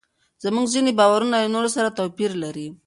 زموږ ځینې باورونه له نورو سره توپیر لري.